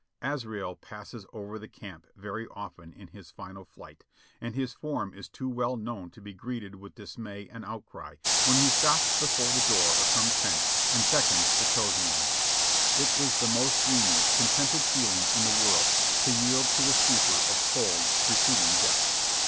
Azrael passes over the camp very often in his fatal flight, and his form is too well known to be greeted with dismay and outcry when he stops before the door of some tent and beckons the chosen one. CAPTURED AGAIN 5^3 It is the most dreamy, contented feeling in the world to yield to the stupor of cold preceding death.